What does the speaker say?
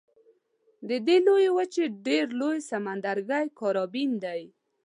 د دې لویې وچې ډېر لوی سمندرګی کارابین دی.